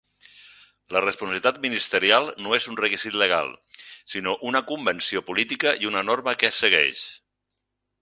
La responsabilitat ministerial no és un requisit legal, sinó una convenció política i una norma que es segueix.